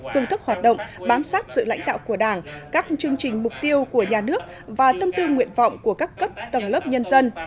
phương thức hoạt động bám sát sự lãnh đạo của đảng các chương trình mục tiêu của nhà nước và tâm tư nguyện vọng của các cấp tầng lớp nhân dân